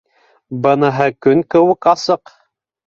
Быныһы көн кеүек асыҡ